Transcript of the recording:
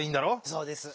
そうです。